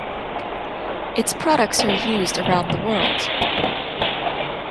Its products are used around the world.